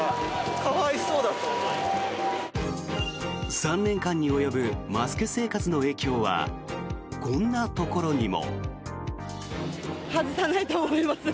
３年間に及ぶマスク生活の影響はこんなところにも。